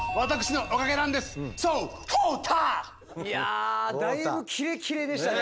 いやだいぶキレキレでしたね。